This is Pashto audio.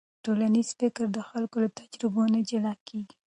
ټولنیز فکر د خلکو له تجربو نه جلا کېږي.